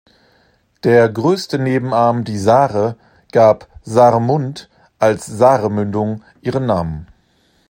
Der größte Nebenarm, die "Saare", gab "Saar-mund" als "Saare"-"Mündung" ihren Namen.